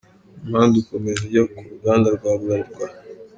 Umuhanda ukomeza ujya ku ruganda rwa Bralirwa.